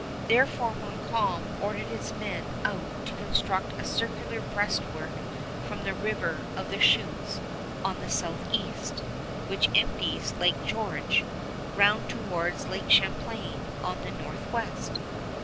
Therefore Montcalm ordered his men out to construct a circular breastwork from the River of the Chutes on the southeast, which empties Lake George, round towards Lake Champlain on the northwest.